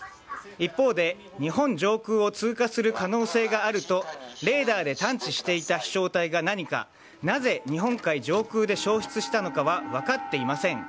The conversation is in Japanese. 一方で日本上空を通過する可能性があるとレーダーで探知していた飛翔体が何かなぜ日本海上空で消失したのかは分かっていません。